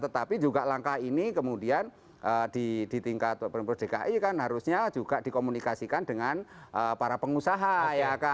tetapi juga langkah ini kemudian di tingkat pemerintah dki kan harusnya juga dikomunikasikan dengan para pengusaha